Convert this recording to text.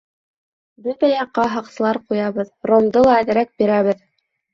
Бөтә яҡҡа һаҡсылар ҡуябыҙ, ромды ла әҙерәк бирәбеҙ.